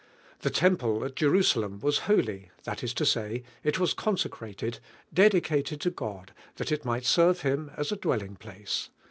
The temple a! Jerusalem was holy, that is to say, it was eonsccrnleil, dedicated to God that it might serve Him as a dwelling place.